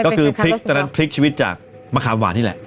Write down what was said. ก็คือพลิกชีวิตจากมะขามหวานนี่แหละ